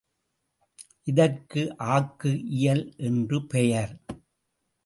இதற்கு ஆக்கு இயல் என்று பெயர்.